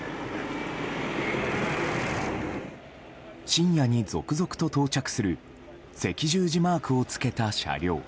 深夜に続々と到着する赤十字マークをつけた車両。